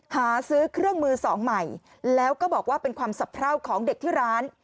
หาซื้อเครื่องมือสองใหม่แล้วก็บอกว่าเป็นความสะเพราของเด็กที่ร้าน